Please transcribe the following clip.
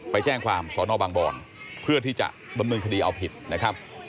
ไปแจ้งความสอนอบางบอนเพื่อที่จะดำเนินคดีเอาผิดนะครับ